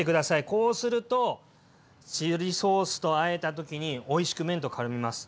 こうするとチリソースとあえた時においしく麺とからみます。